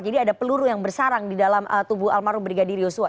jadi ada peluru yang bersarang di dalam tubuh almarhum brigadir yosua